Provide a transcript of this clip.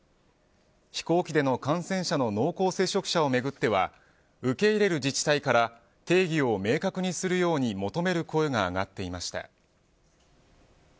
飛行機での感染者の濃厚接触者をめぐっては受け入れる自治体から定義を明確にするように求める声が上がっていました。